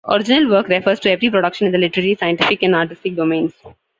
Original work refers to every production in the literary, scientific, and artistic domains.